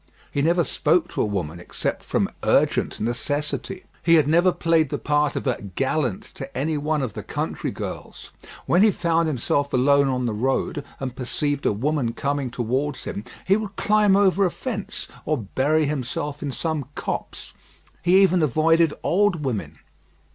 He never spoke to a woman except from urgent necessity. He had never played the part of a "gallant" to any one of the country girls. When he found himself alone on the road, and perceived a woman coming towards him, he would climb over a fence, or bury himself in some copse: he even avoided old women.